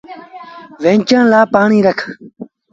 ويچڻ لآ پآڻيٚ رک۔